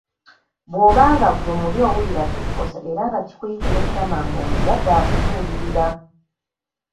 Bwoba nga ggwe muli owulira kikukosa era nga kikuyigula ettama ng'omuzadde akubuulirira